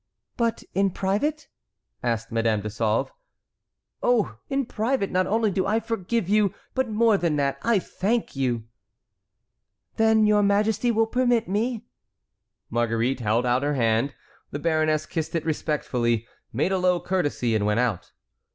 "But in private?" asked Madame de Sauve. "Oh! in private, not only do I forgive you, but more than that, I thank you." "Then your majesty will permit me"— Marguerite held out her hand, the baroness kissed it respectfully, made a low courtesy and went out.